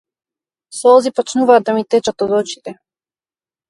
Солзи почнуваат да ми течат од очите.